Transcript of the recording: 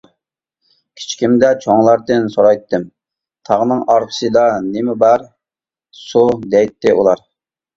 كىچىكىمدە چوڭلاردىن سورايتتىم: «تاغنىڭ ئارقىسىدا نېمە بار؟ »، «سۇ» دەيتتى ئۇلار.